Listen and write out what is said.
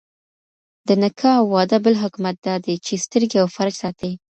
د نکاح او واده بل حکمت دادی، چي سترګي او فرج ساتي